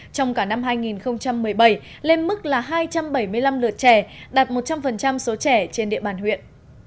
trong cả năm hai nghìn một mươi bảy lên mức là hai trăm bảy mươi năm lượt trẻ đạt một trăm linh số trẻ trên địa bàn huyện